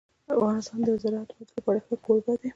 افغانستان د زراعت د ودې لپاره ښه کوربه دی.